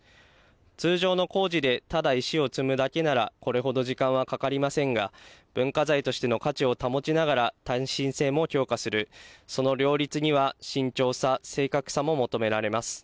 通常の工事でただ石を積むだけならこれほど時間はかかりませんが、文化財としての価値を保ちながら、耐震性も強化する、その両立には慎重さ、正確さも求められます。